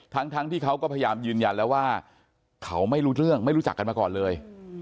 ทั้งที่เขาก็พยายามยืนยันแล้วว่าเขาไม่รู้เรื่องไม่รู้จักกันมาก่อนเลย